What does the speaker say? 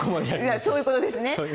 そういうことですね。